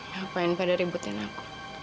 ngapain pada ributin aku